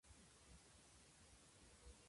誰もが秘めている